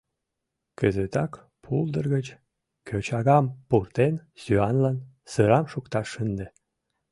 Кызытак, пулдыр гыч кӧчагам пуртен, сӱанлан сырам шукташ шынде.